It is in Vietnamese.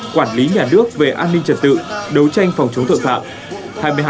quản lý nhà nước về an ninh trật tự đấu tranh phòng chống tội phạm